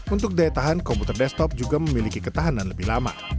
untuk daya tahan komputer desktop juga memiliki ketahanan lebih lama